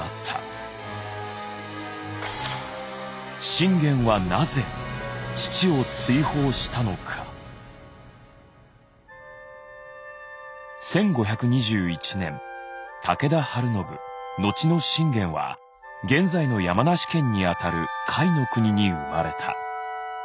信玄は１５２１年武田晴信後の信玄は現在の山梨県にあたる甲斐国に生まれた。